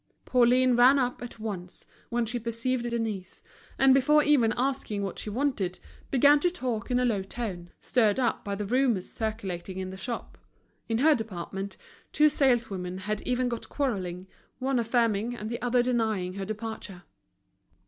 Pauline ran up at once, when she perceived Denise; and before even asking what she wanted, began to talk in a low tone, stirred up by the rumors circulating in the shop. In her department, two saleswomen had even got quarrelling, one affirming and the other denying her departure.